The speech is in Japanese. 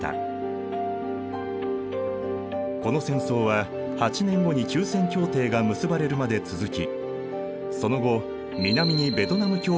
この戦争は８年後に休戦協定が結ばれるまで続きその後南にベトナム共和国が樹立。